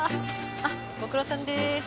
あっご苦労さんです。